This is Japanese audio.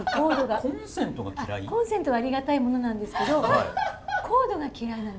あっコンセントはありがたいものなんですけどコードが嫌いなの。